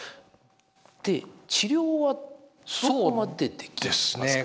で治療はどこまでできますか？